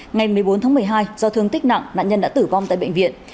ngày một mươi bốn tháng một mươi hai do thương tích nặng nạn nhân đã tử vong tại bệnh viện